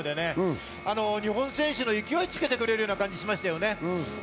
日本選手に勢いをつけてくれる感じがしましたね。